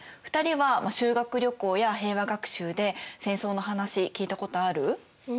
２人は修学旅行や平和学習で戦争の話聞いたことある？